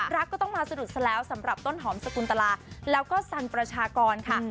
รักก็ต้องมาสะดุดซะแล้วสำหรับต้นหอมสกุลตลาแล้วก็สันประชากรค่ะ